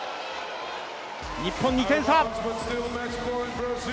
日本、２点差。